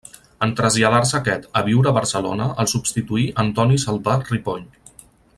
En traslladar-se aquest a viure a Barcelona el substituí Antoni Salvà Ripoll.